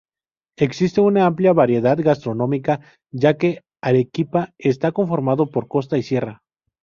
Existe una amplia variedad gastronómica ya que Arequipa está conformada por costa y sierra.